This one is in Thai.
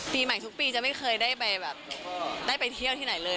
ปีใหม่ทุกปีจะไม่เคยได้ไปที่เอาที่ไหนเลย